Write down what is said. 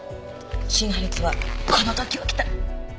心破裂はこの時起きた。